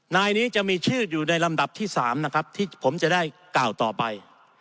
นายนี้จะมีชื่ออยู่ในลำดับที่๓นะครับที่ผมจะได้กล่าวต่อไป